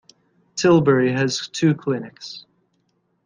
Tilbury has two clinics.